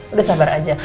udah sabar aja